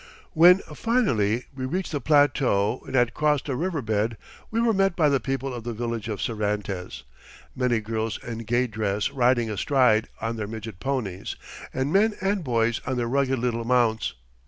When finally we reached the plateau and had crossed a river bed we were met by the people of the village of Cervantes many girls in gay dress riding astride on their midget ponies, and men and boys on their rugged little mounts.